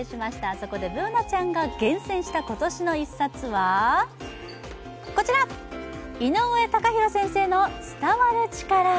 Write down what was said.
そこでＢｏｏｎａちゃんが厳選した今年の一冊はこちら、井上貴博先生の「伝わるチカラ」。